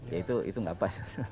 ya itu gak pas